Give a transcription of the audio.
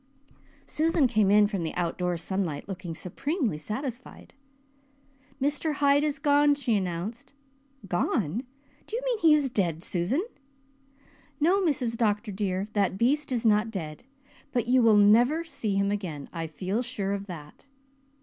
Susan came in from the outdoor sunlight looking supremely satisfied. "Mr. Hyde is gone," she announced. "Gone! Do you mean he is dead, Susan?" "No, Mrs. Dr. dear, that beast is not dead. But you will never see him again. I feel sure of that."